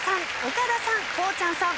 岡田さんこうちゃんさん